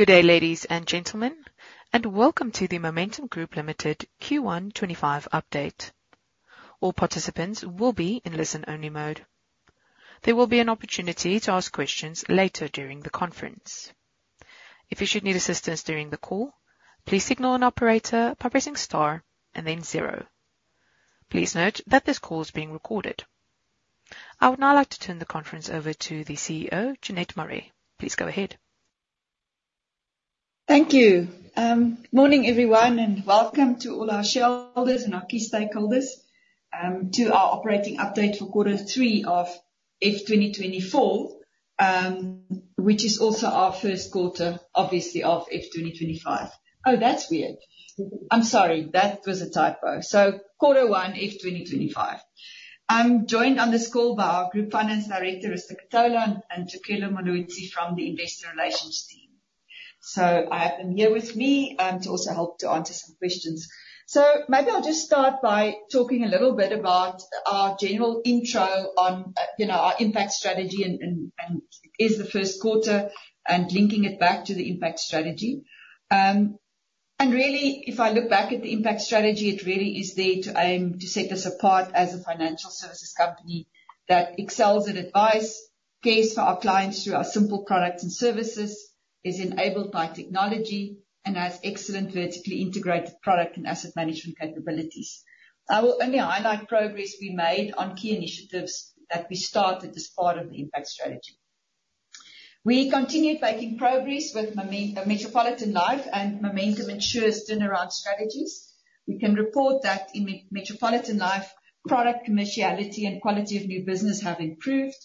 Good day, ladies and gentlemen, and welcome to the Momentum Group Limited Q1 2025 update. All participants will be in listen-only mode. There will be an opportunity to ask questions later during the conference. If you should need assistance during the call, please signal an operator by pressing star and then zero. Please note that this call is being recorded. I would now like to turn the conference over to the CEO, Jeanette Marais. Please go ahead. Thank you. Morning, everyone, and welcome to all our shareholders and our key stakeholders to our operating update for quarter three of F 2024, which is also our first quarter, obviously, of F 2025. Oh, that's weird. I'm sorry. That was a typo. So, quarter one, F 2025. I'm joined on this call by our Group Finance Director, Risto Ketola, and Dikela Moloisi from the investor relations team. So I have them here with me to also help to answer some questions. So maybe I'll just start by talking a little bit about our general intro on our impact strategy and it's the first quarter and linking it back to the impact strategy. Really, if I look back at the impact strategy, it really is there to aim to set us apart as a financial services company that excels at advice case for our clients through our simple products and services, is enabled by technology, and has excellent vertically integrated product and asset management capabilities. I will only highlight progress we made on key initiatives that we started as part of the impact strategy. We continue taking progress with Metropolitan Life and Momentum Insure's turnaround strategies. We can report that in Metropolitan Life, product commerciality and quality of new business have improved.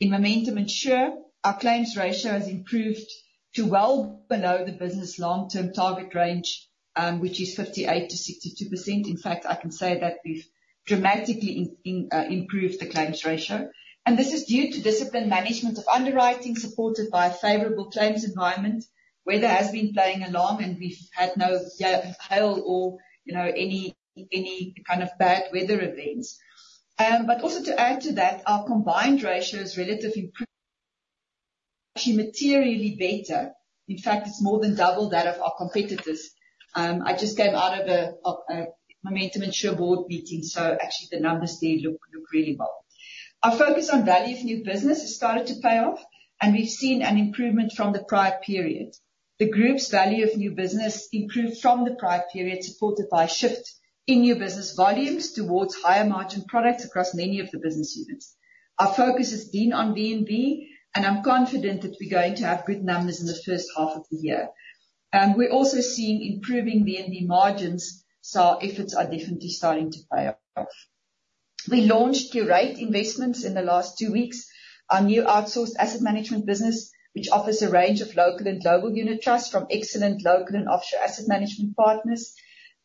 In Momentum Insure, our claims ratio has improved to well below the business long-term target range, which is 58%-62%. In fact, I can say that we've dramatically improved the claims ratio. And this is due to disciplined management of underwriting supported by a favorable claims environment. Weather has been playing along, and we've had no hail or any kind of bad weather events. But also to add to that, our combined ratio is relatively materially better. In fact, it's more than double that of our competitors. I just came out of a Momentum Insure board meeting, so actually, the numbers there look really well. Our focus on value of new business has started to pay off, and we've seen an improvement from the prior period. The group's value of new business improved from the prior period, supported by a shift in new business volumes towards higher margin products across many of the business units. Our focus is being on VNB, and I'm confident that we're going to have good numbers in the first half of the year. And we're also seeing improving VNB margins, so our efforts are definitely starting to pay off. We launched Curate Investments in the last two weeks, our new outsourced asset management business, which offers a range of local and global unit trusts from excellent local and offshore asset management partners.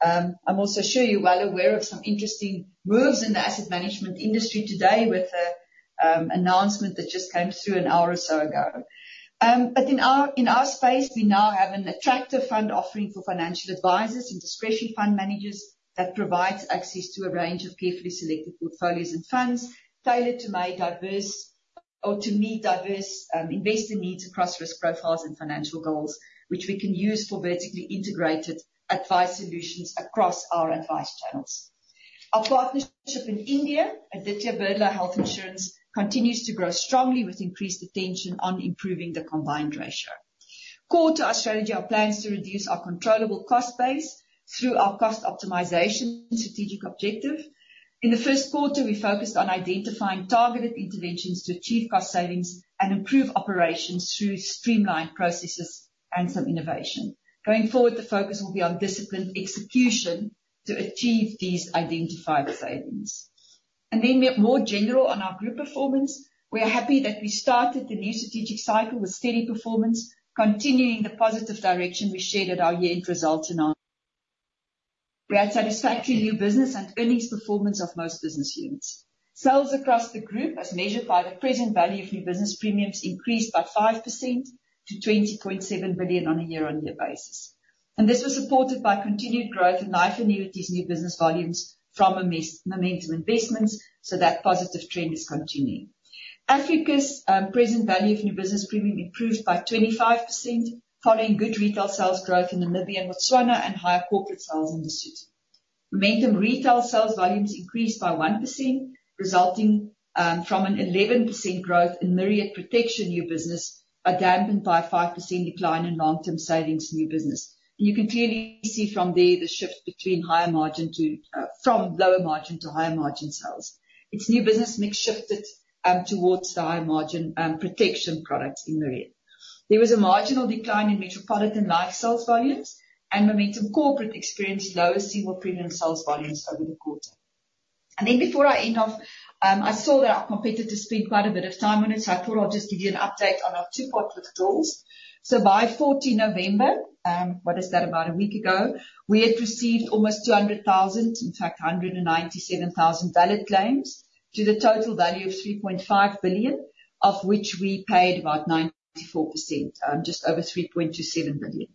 I'm also sure you're well aware of some interesting moves in the asset management industry today with an announcement that just came through an hour or so ago. But in our space, we now have an attractive fund offering for financial advisors and discretion fund managers that provides access to a range of carefully selected portfolios and funds tailored to meet diverse investor needs across risk profiles and financial goals, which we can use for vertically integrated advice solutions across our advice channels. Our partnership in India, Aditya Birla Health Insurance, continues to grow strongly with increased attention on improving the combined ratio. Core to our strategy are plans to reduce our controllable cost base through our cost optimization strategic objective. In the first quarter, we focused on identifying targeted interventions to achieve cost savings and improve operations through streamlined processes and some innovation. Going forward, the focus will be on disciplined execution to achieve these identified savings. Then, more generally on our group performance, we are happy that we started the new strategic cycle with steady performance, continuing the positive direction we shared at our year-end results. We had satisfactory new business and earnings performance of most business units. Sales across the group, as measured by the present value of new business premiums, increased by 5% to 20.7 billion on a year-on-year basis. And this was supported by continued growth in life annuities new business volumes from Momentum Investments, so that positive trend is continuing. Africa's present value of new business premiums improved by 25%, following good retail sales growth in Namibia and Botswana and higher corporate sales in the country. Momentum Retail sales volumes increased by 1%, resulting from an 11% growth in Myriad protection new business, but dampened by a 5% decline in long-term savings new business. You can clearly see from there the shift between higher margin to from lower margin to higher margin sales. Its new business mix shifted towards the higher margin protection products in Myriad. There was a marginal decline in Metropolitan Life sales volumes, and Momentum Corporate experienced lower single premium sales volumes over the quarter. Then before I end off, I saw that our competitors spend quite a bit of time on it, so I thought I'll just give you an update on our two-pot withdrawals. By 14 November, what is that, about a week ago, we had received almost 200,000, in fact, 197,000 valid claims to the total value of 3.5 billion, of which we paid about 94%, just over 3.27 billion.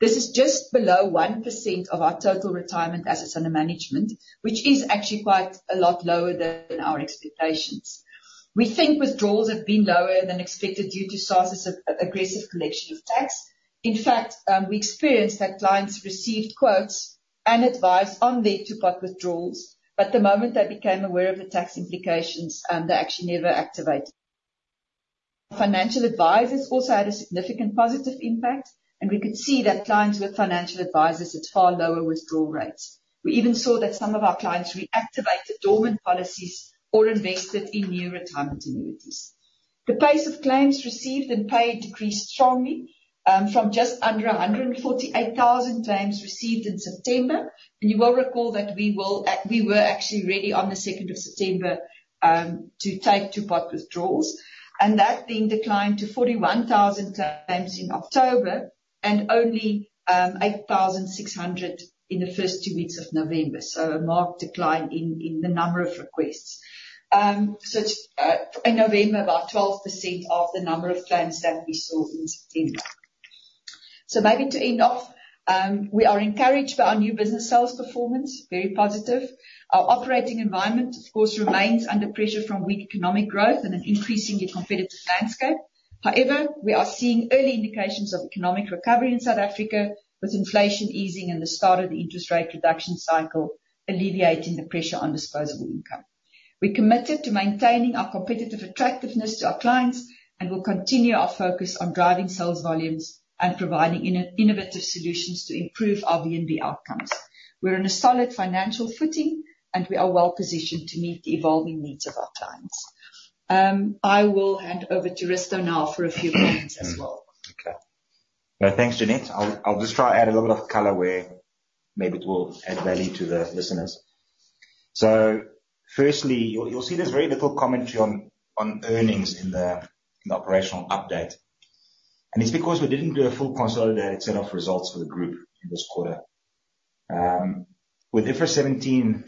This is just below 1% of our total retirement assets under management, which is actually quite a lot lower than our expectations. We think withdrawals have been lower than expected due to sources of aggressive collection of tax. In fact, we experienced that clients received quotes and advice on their two-pot withdrawals, but the moment they became aware of the tax implications, they actually never activated. Financial advisors also had a significant positive impact, and we could see that clients with financial advisors had far lower withdrawal rates. We even saw that some of our clients reactivated dormant policies or invested in new retirement annuities. The pace of claims received and paid decreased strongly from just under 148,000 claims received in September, and you will recall that we were actually ready on the 2nd of September to take two-pot withdrawals, and that then declined to 41,000 claims in October and only 8,600 in the first two weeks of November, so a marked decline in the number of requests. In November, about 12% of the number of claims that we saw in September. Maybe to end off, we are encouraged by our new business sales performance, very positive. Our operating environment, of course, remains under pressure from weak economic growth and an increasingly competitive landscape. However, we are seeing early indications of economic recovery in South Africa, with inflation easing in the start of the interest rate reduction cycle, alleviating the pressure on disposable income. We're committed to maintaining our competitive attractiveness to our clients and will continue our focus on driving sales volumes and providing innovative solutions to improve our VNB outcomes. We're in a solid financial footing, and we are well-positioned to meet the evolving needs of our clients. I will hand over to Risto now for a few comments as well. Okay. Thanks, Jeanette. I'll just try to add a little bit of color where maybe it will add value to the listeners. So firstly, you'll see there's very little commentary on earnings in the operational update. And it's because we didn't do a full consolidated set of results for the group this quarter. With IFRS 17,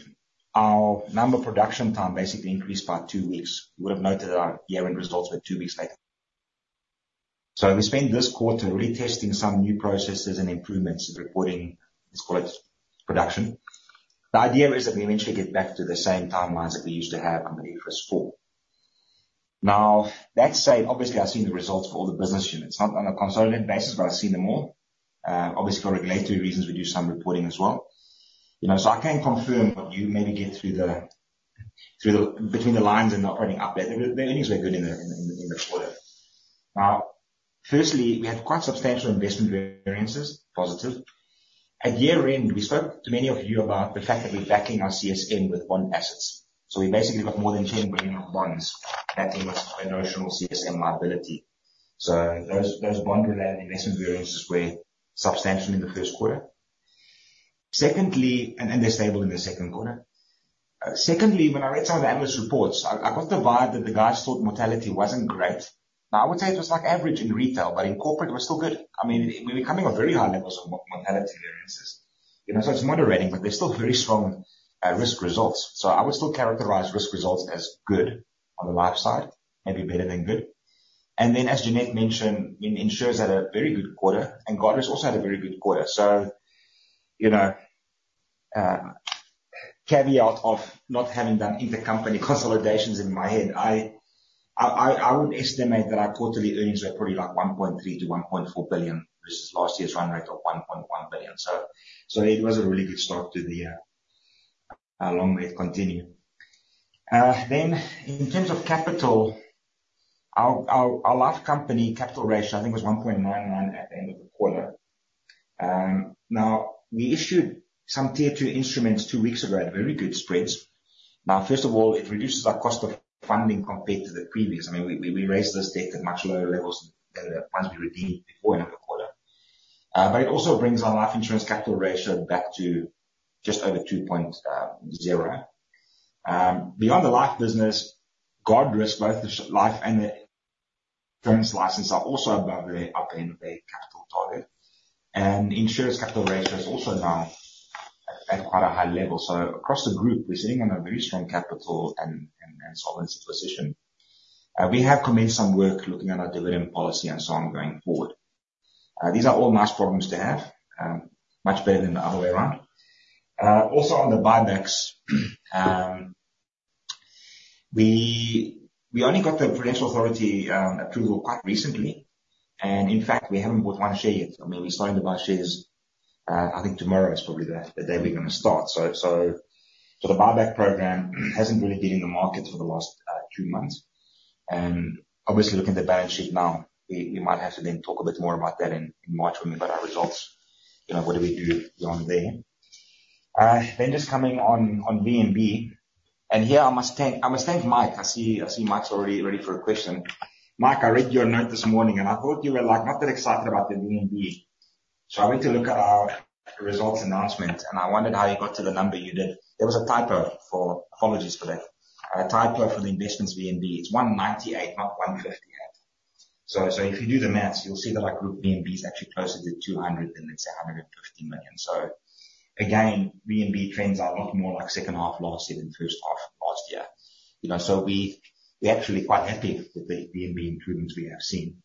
our number of production time basically increased by two weeks. You would have noted our year-end results were two weeks later. So we spent this quarter really testing some new processes and improvements. Reporting, let's call it production. The idea is that we eventually get back to the same timelines that we used to have under IFRS 4. Now, that said, obviously, I've seen the results for all the business units, not on a consolidated basis, but I've seen them all. Obviously, for regulatory reasons, we do some reporting as well. I can confirm what you may be getting by reading between the lines in the operating update. The earnings were good in the quarter. Now, firstly, we had quite substantial investment variances, positive. At year-end, we spoke to many of you about the fact that we're backing our CSM with bond assets. So we basically got more than 10 billion of bonds backing our notional CSM liability. So those bond-related investment variances were substantial in the first quarter. Secondly, and they're stable in the second quarter. Secondly, when I read some of the analyst reports, I got the vibe that the guys thought mortality wasn't great. Now, I would say it was like average in retail, but in corporate, it was still good. I mean, we were coming off very high levels of mortality variances. So it's moderating, but there's still very strong risk results. So I would still characterize risk results as good on the life side, maybe better than good. And then, as Jeanette mentioned, Insure had a very good quarter, and Guardrisk also had a very good quarter. So caveat of not having done intercompany consolidations in my head, I would estimate that our quarterly earnings were probably like 1.3 billion-1.4 billion versus last year's run rate of 1.1 billion. So it was a really good start to the year. I hope it continues. Then, in terms of capital, our life company capital ratio, I think, was 1.99 at the end of the quarter. Now, we issued some Tier 2 instruments two weeks ago at very good spreads. Now, first of all, it reduces our cost of funding compared to the previous. I mean, we raised the stake at much lower levels than the funds we redeemed before in the quarter. But it also brings our life insurance capital ratio back to just over 2.0. Beyond the life business, Guardrisk, both the life and the insurance license are also above the capital target. And insurance capital ratio is also now at quite a high level. So across the group, we're sitting on a very strong capital and solvency position. We have commenced some work looking at our dividend policy and so on going forward. These are all nice problems to have, much better than the other way around. Also, on the buybacks, we only got the Prudential Authority approval quite recently. And in fact, we haven't bought one share yet. I mean, we're starting to buy shares, I think tomorrow is probably the day we're going to start. So the buyback program hasn't really been in the market for the last two months. Obviously, looking at the balance sheet now, we might have to then talk a bit more about that in March when we get our results. What do we do beyond there? Then just coming on VNB. And here, I must thank Mike. I see Mike's already ready for a question. Mike, I read your note this morning, and I thought you were not that excited about the VNB. So I went to look at our results announcement, and I wondered how you got to the number you did. There was a typo, apologies for that. A typo for the investments VNB. It's 198 million, not 158 million. So if you do the math, you'll see that our group VNB is actually closer to 200 million than it is 150 million. So again, VNB trends are a lot more like second half last year than first half last year. So we're actually quite happy with the VNB improvements we have seen.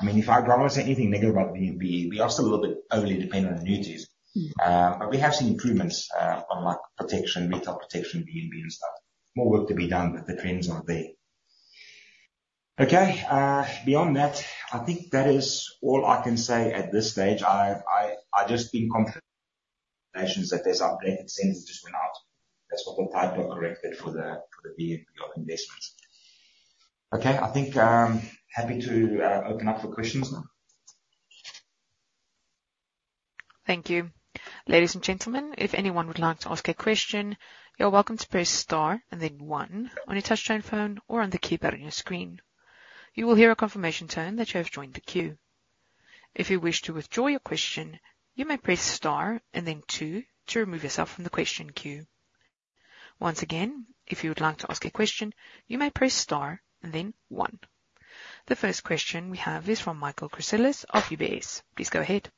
I mean, if I've gone on to say anything negative about VNB, we are still a little bit early depending on the news. But we have seen improvements on protection, retail protection, VNB and stuff. More work to be done with the trends on the day. Okay. Beyond that, I think that is all I can say at this stage. I just been confident that there's updated sentences just went out. That's what the typo corrected for the VNB on investments. Okay. I think I'm happy to open up for questions now. Thank you. Ladies and gentlemen, if anyone would like to ask a question, you're welcome to press star and then one on your touchscreen phone or on the keypad on your screen. You will hear a confirmation tone that you have joined the queue. If you wish to withdraw your question, you may press star and then two to remove yourself from the question queue. Once again, if you would like to ask a question, you may press star and then one. The first question we have is from Michael Christelis of UBS. Please go ahead.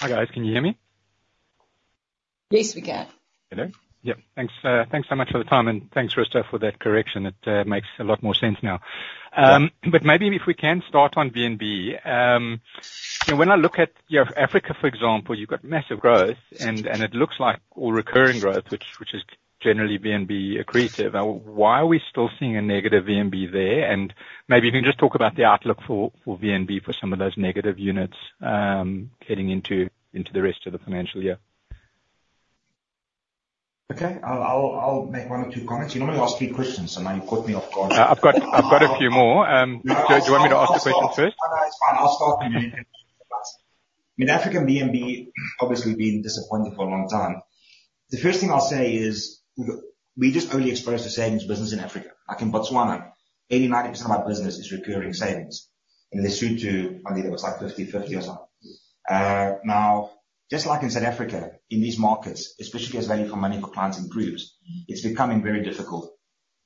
Hi guys, can you hear me? Yes, we can. Hello. Yep. Thanks so much for the time, and thanks, Risto, for that correction. It makes a lot more sense now. But maybe if we can start on VNB. When I look at Africa, for example, you've got massive growth, and it looks like all recurring growth, which is generally VNB accretive. Why are we still seeing a negative VNB there? And maybe you can just talk about the outlook for VNB for some of those negative units heading into the rest of the financial year. Okay. I'll make one or two comments. You normally ask three questions, and now you've cut me off. I've got a few more. Do you want me to ask the question first? No, it's fine. I'll start with you. I mean, Africa VNB, obviously, we've been disappointed for a long time. The first thing I'll say is we're just only exposed to savings business in Africa. Like in Botswana, 80%-90% of our business is recurring savings. In Lesotho only, there was like 50/50 or so. Now, just like in South Africa, in these markets, especially as value for money for clients improves, it's becoming very difficult.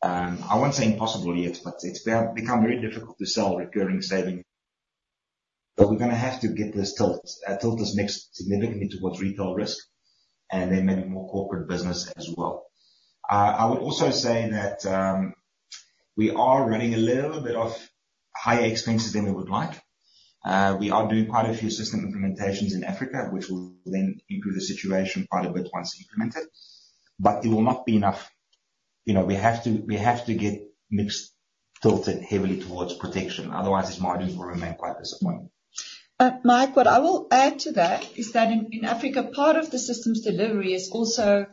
I won't say impossible yet, but it's become very difficult to sell recurring savings. So we're going to have to get this tilted to significantly towards retail risk and then maybe more corporate business as well. I would also say that we are running a little bit of higher expenses than we would like. We are doing quite a few system implementations in Africa, which will then improve the situation quite a bit once implemented. But it will not be enough. We have to get mixed tilted heavily towards protection. Otherwise, these margins will remain quite disappointing. Mike, what I will add to that is that in Africa, part of the system's delivery is also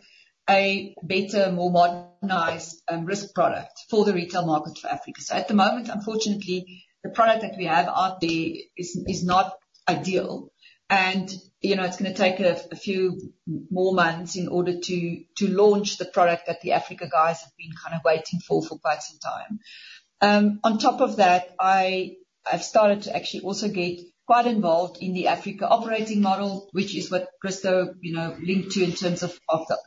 a better, more modernized risk product for the retail market for Africa. So at the moment, unfortunately, the product that we have out there is not ideal. And it's going to take a few more months in order to launch the product that the Africa guys have been kind of waiting for for quite some time. On top of that, I've started to actually also get quite involved in the Africa operating model, which is what Risto linked to in terms of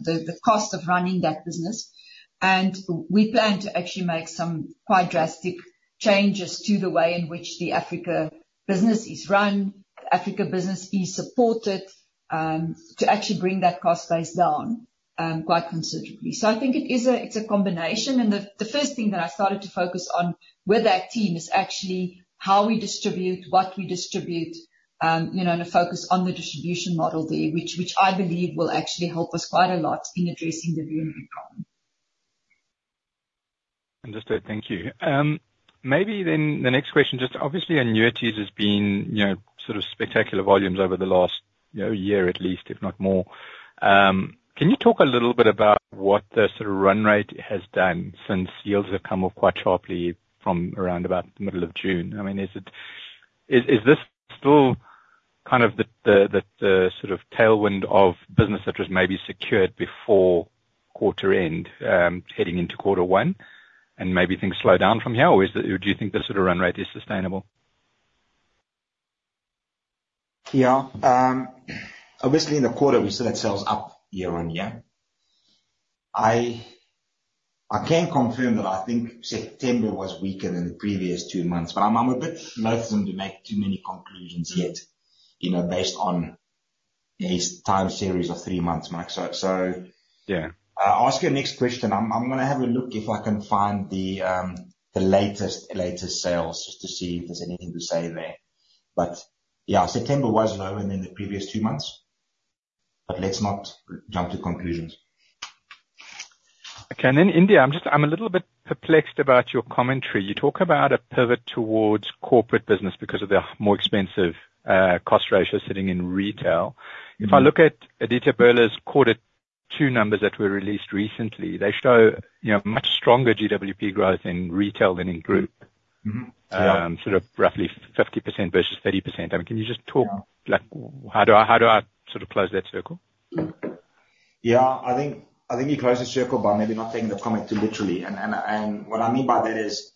the cost of running that business. And we plan to actually make some quite drastic changes to the way in which the Africa business is run, Africa business is supported to actually bring that cost base down quite considerably. So I think it's a combination. The first thing that I started to focus on with that team is actually how we distribute, what we distribute, and a focus on the distribution model there, which I believe will actually help us quite a lot in addressing the VNB problem. Risto, thank you. Maybe then the next question, just obviously, annuities has been sort of spectacular volumes over the last year at least, if not more. Can you talk a little bit about what the sort of run rate has done since yields have come up quite sharply from around about the middle of June? I mean, is this still kind of the sort of tailwind of business that was maybe secured before quarter end, heading into quarter one, and maybe things slow down from here? Or do you think this sort of run rate is sustainable? Yeah. Obviously, in the quarter, we saw that sales up year on year. I can confirm that I think September was weaker than the previous two months, but I'm a bit reluctant to make too many conclusions yet based on a time series of three months, Mike. So I'll ask you the next question. I'm going to have a look if I can find the latest sales just to see if there's anything to say there. But yeah, September was lower than the previous two months, but let's not jump to conclusions. Okay. And then India, I'm a little bit perplexed about your commentary. You talk about a pivot towards corporate business because of the more expensive cost ratio sitting in retail. If I look at Aditya Birla's quarter two numbers that were released recently, they show much stronger GWP growth in retail than in group, sort of roughly 50% versus 30%. I mean, can you just talk how do I sort of close that circle? Yeah. I think you close the circle by maybe not taking the comment too literally. And what I mean by that is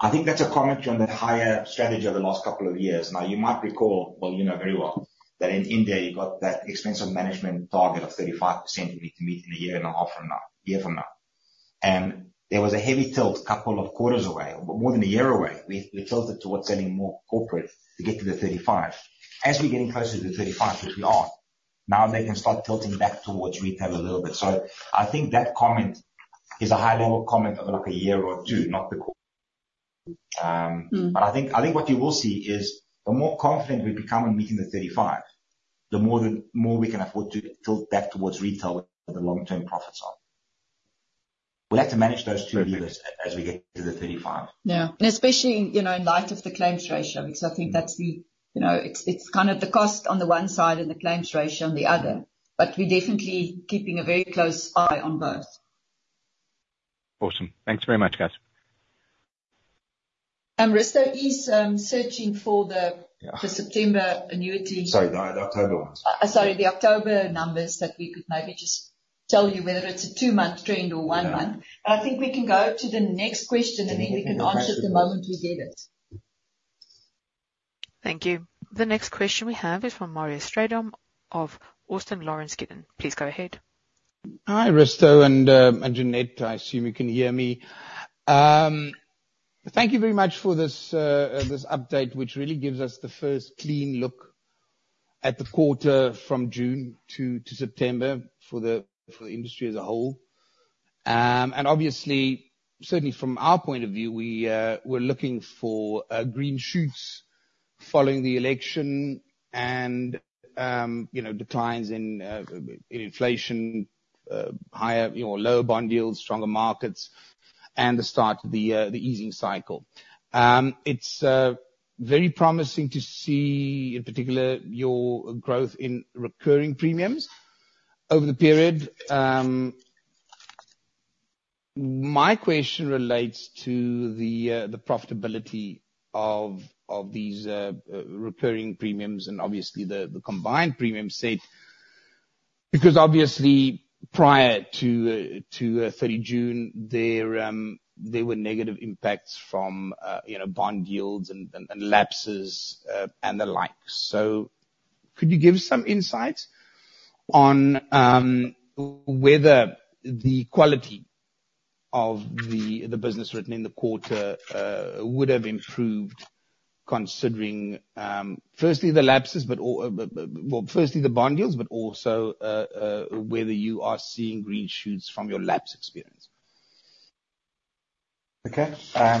I think that's a commentary on the higher strategy of the last couple of years. Now, you might recall, well, you know very well that in India, you've got that expense management target of 35% you need to meet in a year and a half from now, a year from now. And there was a heavy tilt a couple of quarters away, more than a year away. We tilted towards selling more corporate to get to the 35%. As we're getting closer to the 35%, which we are, now they can start tilting back towards retail a little bit. So I think that comment is a high-level comment of like a year or two, not the quarter. But I think what you will see is the more confident we become in meeting the 35%, the more we can afford to tilt back towards retail where the long-term profits are. We have to manage those two levers as we get to the 35%. Yeah. And especially in light of the claims ratio, because I think that's, it's kind of the cost on the one side and the claims ratio on the other. But we're definitely keeping a very close eye on both. Awesome. Thanks very much, guys. Risto is searching for the September annuity. Sorry, the October ones. Sorry, the October numbers that we could maybe just tell you whether it's a two-month trend or one-month, but I think we can go to the next question, and then we can answer it the moment we get it. Thank you. The next question we have is from Marius Strydom of Austin Lawrence Gidden. Please go ahead. Hi, Risto and Jeanette. I assume you can hear me. Thank you very much for this update, which really gives us the first clean look at the quarter from June to September for the industry as a whole. And obviously, certainly from our point of view, we're looking for green shoots following the election and declines in inflation, higher or lower bond yields, stronger markets, and the start of the easing cycle. It's very promising to see, in particular, your growth in recurring premiums over the period. My question relates to the profitability of these recurring premiums and obviously the combined premium set, because obviously prior to 30 June, there were negative impacts from bond yields and lapses and the like. So could you give some insights on whether the quality of the business written in the quarter would have improved considering, firstly, the lapses, but firstly, the bond yields, but also whether you are seeing green shoots from your lapse experience? Okay. I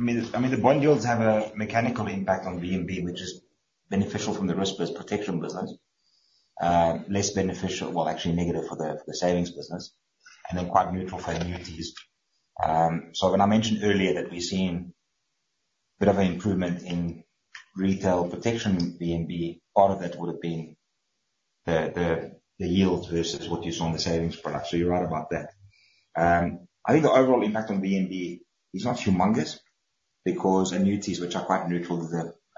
mean, the bond yields have a mechanical impact on VNB, which is beneficial from the risk versus protection business, less beneficial, well, actually negative for the savings business, and then quite neutral for annuities. So when I mentioned earlier that we've seen a bit of an improvement in retail protection VNB, part of that would have been the yields versus what you saw in the savings product. So you're right about that. I think the overall impact on VNB is not humongous because annuities, which are quite neutral to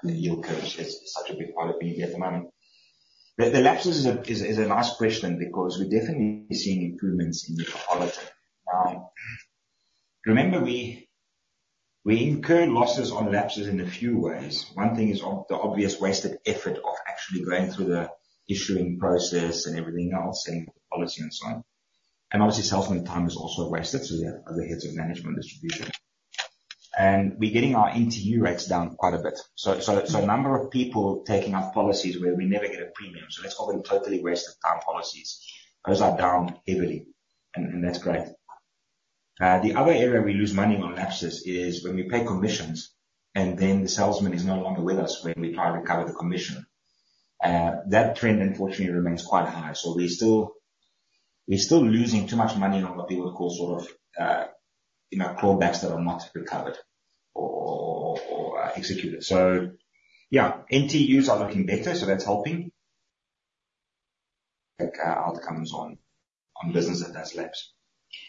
the yield curve, is such a big part of VNB at the moment. The lapses is a nice question because we're definitely seeing improvements in the policy. Now, remember, we incur losses on lapses in a few ways. One thing is the obvious wasted effort of actually going through the issuing process and everything else and policy and so on, and obviously, salesman time is also wasted, so you have other heads of management distribution, and we're getting our NTU rates down quite a bit, so a number of people taking out policies where we never get a premium. Let's call them totally wasted time policies. Those are down heavily, and that's great. The other area we lose money on lapses is when we pay commissions and then the salesman is no longer with us when we try to recover the commission. That trend, unfortunately, remains quite high, so we're still losing too much money on what people call sort of clawbacks that are not recovered or executed, so yeah, NTUs are looking better, so that's helping. Outcomes on business that has lapsed.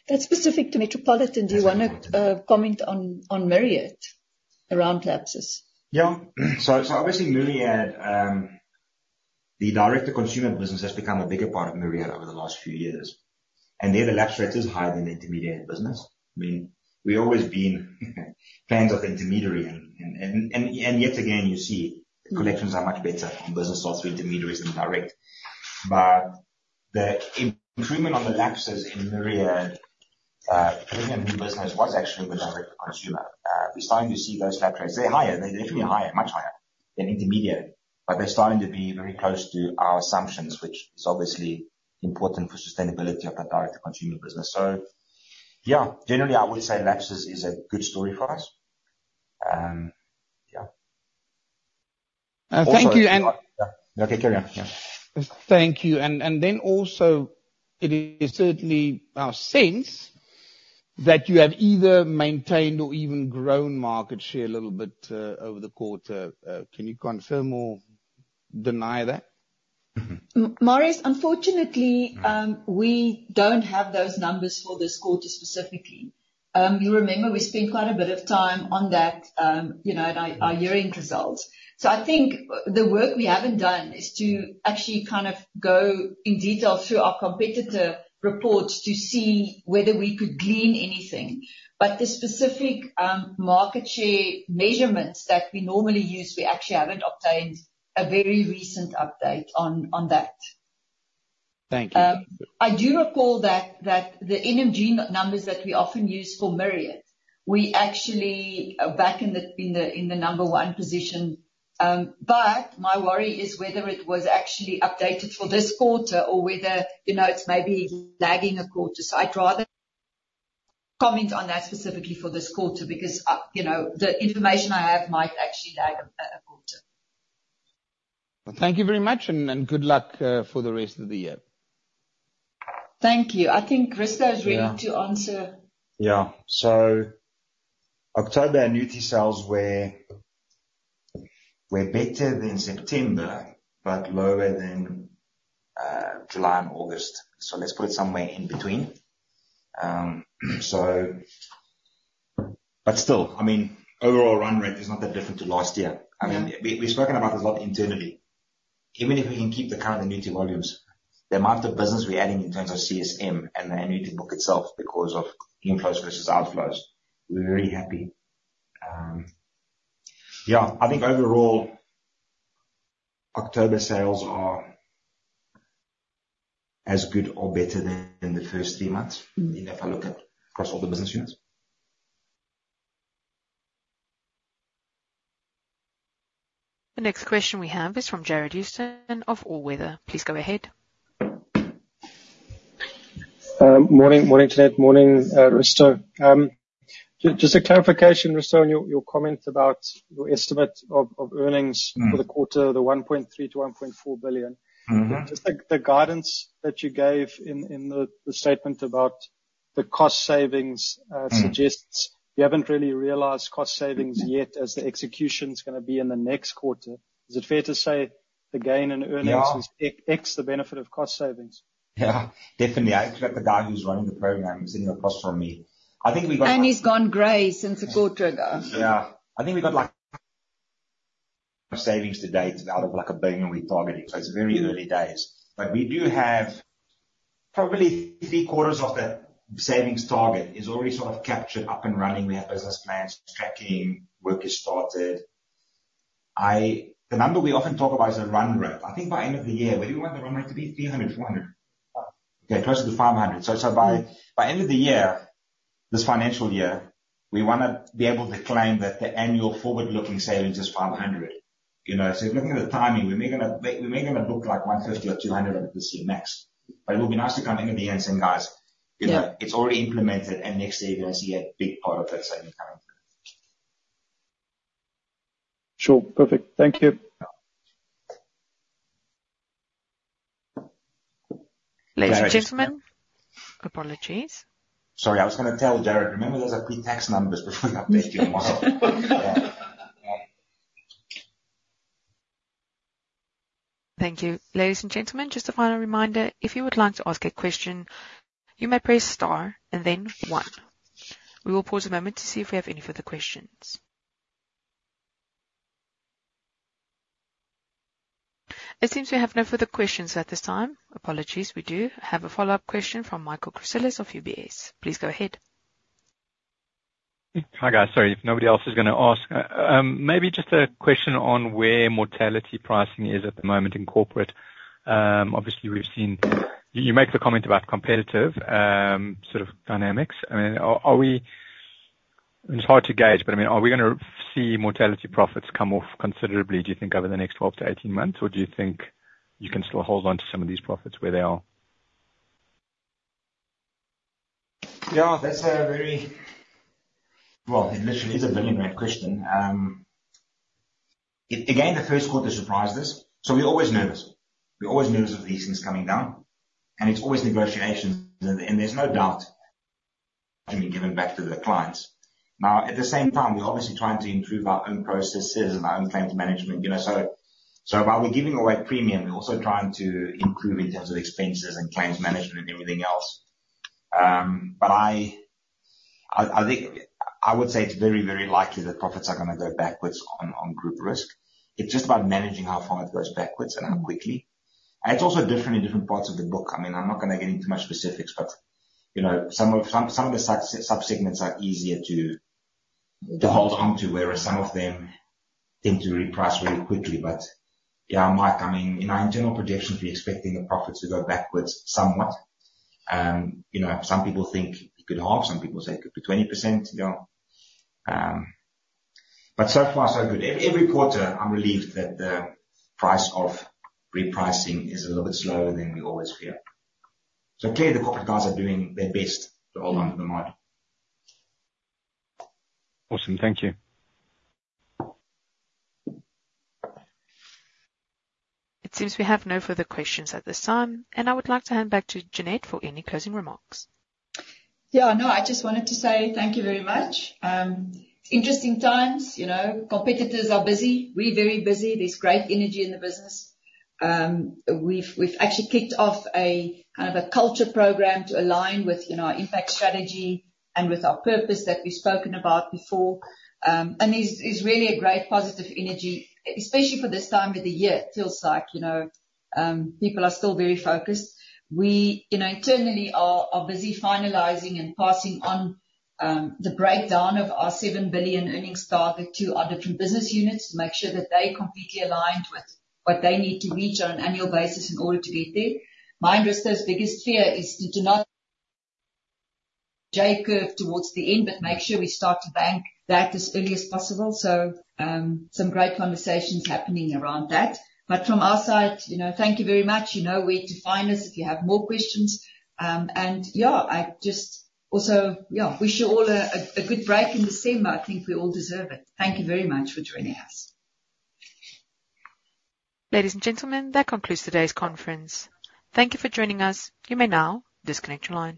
That's specific to Metropolitan. Do you want to comment on Myriad around lapses? Yeah. So obviously, Myriad, the direct-to-consumer business has become a bigger part of Myriad over the last few years. And there, the lapse rate is higher than the intermediary business. I mean, we've always been fans of intermediary. And yet again, you see the collections are much better on business sales through intermediaries than direct. But the improvement on the lapses in Myriad, particularly in new business, was actually with direct-to-consumer. We're starting to see those lapse rates. They're higher. They're definitely higher, much higher than intermediary. But they're starting to be very close to our assumptions, which is obviously important for sustainability of the direct-to-consumer business. So yeah, generally, I would say lapses is a good story for us. Yeah. Thank you. Okay, carry on. Yeah. Thank you. And then also, it is certainly our sense that you have either maintained or even grown market share a little bit over the quarter. Can you confirm or deny that? Marius, unfortunately, we don't have those numbers for this quarter specifically. You remember we spent quite a bit of time on that and our year-end results. So I think the work we haven't done is to actually kind of go in detail through our competitor reports to see whether we could glean anything. But the specific market share measurements that we normally use, we actually haven't obtained a very recent update on that. Thank you. I do recall that the NMG numbers that we often use for Myriad, we actually are back in the number one position. But my worry is whether it was actually updated for this quarter or whether it's maybe lagging a quarter. So I'd rather comment on that specifically for this quarter because the information I have might actually lag a quarter. Thank you very much, and good luck for the rest of the year. Thank you. I think Risto is ready to answer. Yeah. So October annuity sales were better than September, but lower than July and August. So let's put it somewhere in between. But still, I mean, overall run rate is not that different to last year. I mean, we've spoken about this a lot internally. Even if we can keep the current annuity volumes, the amount of business we're adding in terms of CSM and the annuity book itself because of inflows versus outflows, we're very happy. Yeah. I think overall, October sales are as good or better than the first three months if I look at across all the business units. The next question we have is from Jarred Houston of All Weather Capital. Please go ahead. Morning, Jeanette. Morning, Risto. Just a clarification, Risto, on your comments about your estimate of earnings for the quarter, the 1.3 billion-1.4 billion. Just the guidance that you gave in the statement about the cost savings suggests you haven't really realized cost savings yet as the execution's going to be in the next quarter. Is it fair to say the gain in earnings is ex the benefit of cost savings? Yeah. Definitely. I expect the guy who's running the program is in the process for me. I think we've got. He's gone gray since the quarter ago. Yeah. I think we've got like savings today out of like a billion we're targeting. So it's very early days. But we do have probably three-quarters of the savings target is already sort of captured up and running. We have business plans, tracking, work is started. The number we often talk about is the run rate. I think by end of the year, where do we want the run rate to be? 300, 400. Okay, closer to 500. So by end of the year, this financial year, we want to be able to claim that the annual forward-looking savings is 500. So if you're looking at the timing, we may going to look like 150 or 200 over this year next. But it will be nice to come into the end saying, "Guys, it's already implemented," and next year you're going to see a big part of that saving coming through. Sure. Perfect. Thank you. Later. Ladies and gentlemen, apologies. Sorry, I was going to tell Jarred, remember there's a pre-tax numbers before you update your model. Thank you. Ladies and gentlemen, just a final reminder, if you would like to ask a question, you may press star and then one. We will pause a moment to see if we have any further questions. It seems we have no further questions at this time. Apologies. We do have a follow-up question from Michael Christelis of UBS. Please go ahead. Hi guys. Sorry, if nobody else is going to ask, maybe just a question on where mortality pricing is at the moment in corporate. Obviously, we've seen you make the comment about competitive sort of dynamics. I mean, it's hard to gauge, but I mean, are we going to see mortality profits come off considerably, do you think, over the next 12-18 months, or do you think you can still hold on to some of these profits where they are? Yeah, that's a very well, it literally is a billion rand question. Again, the first quarter surprised us. So we're always nervous. We're always nervous of these things coming down. And it's always negotiations. And there's no doubt given back to the clients. Now, at the same time, we're obviously trying to improve our own processes and our own claims management. So while we're giving away premium, we're also trying to improve in terms of expenses and claims management and everything else. But I would say it's very, very likely that profits are going to go backwards on group risk. It's just about managing how far it goes backwards and how quickly. And it's also different in different parts of the book. I mean, I'm not going to get into too much specifics, but some of the subsegments are easier to hold on to, whereas some of them tend to reprice very quickly. But yeah, Mike, I mean, in our internal projections, we're expecting the profits to go backwards somewhat. Some people think it could halve. Some people say it could be 20%. But so far, so good. Every quarter, I'm relieved that the pace of repricing is a little bit slower than we always fear. So clearly, the corporate guys are doing their best to hold on to the model. Awesome. Thank you. It seems we have no further questions at this time, and I would like to hand back to Jeanette for any closing remarks. Yeah. No, I just wanted to say thank you very much. It's interesting times. Competitors are busy. We're very busy. There's great energy in the business. We've actually kicked off a kind of a culture program to align with our impact strategy and with our purpose that we've spoken about before. It's really a great positive energy, especially for this time of the year. It feels like people are still very focused. We internally are busy finalizing and passing on the breakdown of our 7 billion earnings target to our different business units to make sure that they're completely aligned with what they need to reach on an annual basis in order to get there. My and Risto's biggest fear is to not jay curve towards the end, but make sure we start to bank that as early as possible. Some great conversations happening around that. But from our side, thank you very much. You know where to find us if you have more questions. And yeah, I just also, yeah, wish you all a good break in December. I think we all deserve it. Thank you very much for joining us. Ladies and gentlemen, that concludes today's conference. Thank you for joining us. You may now disconnect your line.